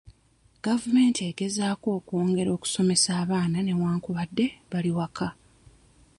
Gavumenti egezaako okwongera okusomesa abaana newankubadde bali waka